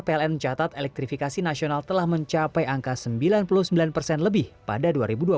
pln catat elektrifikasi nasional telah mencapai angka sembilan puluh sembilan persen lebih pada dua ribu dua puluh